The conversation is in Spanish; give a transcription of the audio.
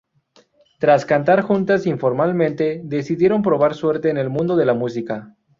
Tras cantar juntas informalmente, decidieron probar suerte en el mundo de la música.